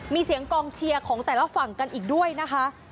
มีเสียงกองเชียร์ของแต่ละฝั่งกันอีกด้วยนะคะ